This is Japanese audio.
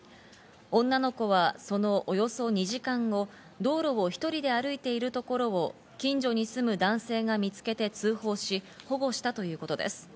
女の子はそのおよそ２時間後、道路を１人で歩いているところを近所に住む男性が見つけて通報し、保護したということです。